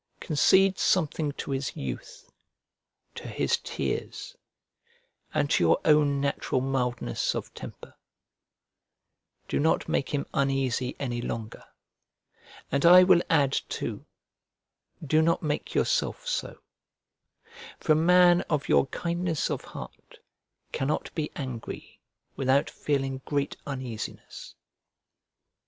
Concede something to his youth, to his tears, and to your own natural mildness of temper: do not make him uneasy any longer, and I will add too, do not make yourself so; for a man of your kindness of heart cannot be angry without feeling great uneasiness.